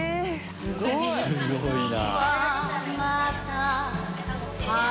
すごいな。